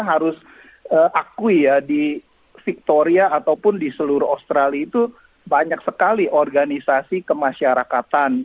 aku ya di victoria ataupun di seluruh australia itu banyak sekali organisasi kemasyarakatan